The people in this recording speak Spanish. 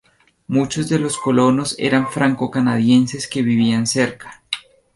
Muchos de los colonos eran francocanadienses que vivían cerca.